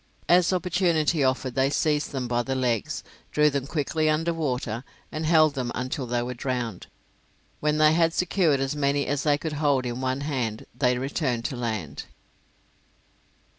As opportunity offered they seized them by the legs, drew them quickly under water, and held them until they were drowned. When they had secured as many as they could hold in one hand they returned to land.